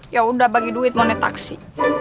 ya udah bagi duit mau naik taksi